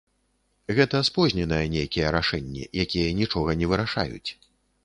Гэта спозненыя нейкія рашэнні, якія нічога не вырашаюць.